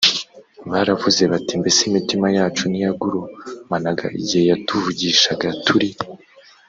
baravuze bati mbese imitima yacu ntiyagurumanaga igihe yatuvugishaga turi